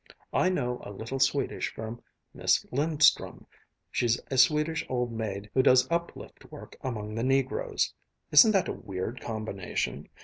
I know a little Swedish from Miss Lindström. She's a Swedish old maid who does uplift work among the negroes isn't that a weird combination?